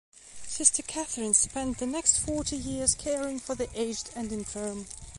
Sister Catherine spent the next forty years caring for the aged and infirm.